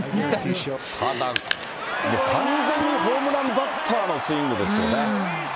ただ、もう完全にホームランバッターのスイングですよね。